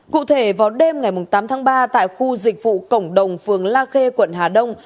cụ thể vào đêm ngày tám tháng ba tại khu dịch vụ cổng đồng phường la khê quận hà đông